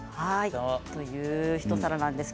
そういう一皿です。